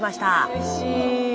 うれしい！